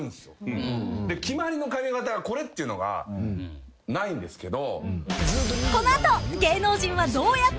決まりの髪形がこれっていうのがないんですけど。